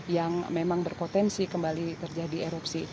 yang memang berpotensi kembali terjadi erupsi